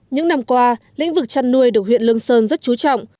những năm qua lĩnh vực chăn nuôi được huyện lương sơn rất chú trọng